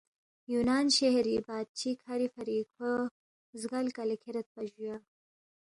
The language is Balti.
یُونان شہری بادشی کَھری فری کھو زگل کلے کھیریدپا جُویا